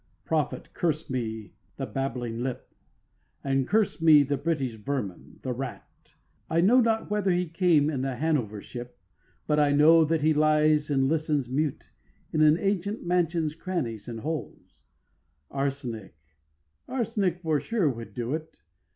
6. Prophet, curse me the blabbing lip, And curse me the British vermin, the rat; I know not whether he came in the Hanover ship, But I know that he lies and listens mute In an ancient mansion's crannies and holes: Arsenic, arsenic, sure, would do it.